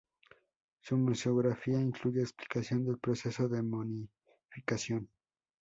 Su museografía incluye explicación del proceso de momificación.